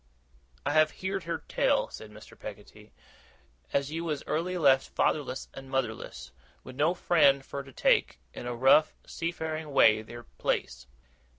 'I have heerd her tell,' said Mr. Peggotty, 'as you was early left fatherless and motherless, with no friend fur to take, in a rough seafaring way, their place.